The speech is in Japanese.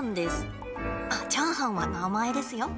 あっチャーハンは名前ですよ。